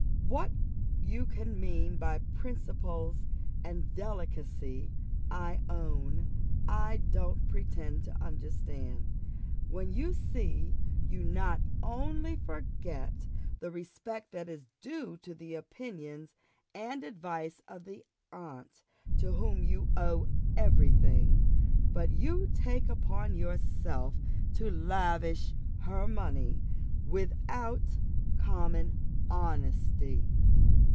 What you can mean by principles and delicacy I own I don't pretend to understand, when I see you not only forget the respect that is due to the opinions and advice of the aunt to whom you owe every thing; but you take upon yourself to lavish her money, without common honesty.